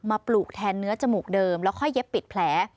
ปลูกแทนเนื้อจมูกเดิมแล้วค่อยเย็บปิดแผล